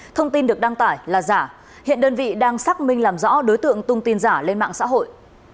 thông tin được đăng tải là giả hiện đơn vị đang xác minh làm rõ đối tượng tung tin giả lên mạng xã hội